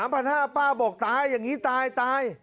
๓๕๐๐บาทป้าบอกตายอย่างนี้ตายตาย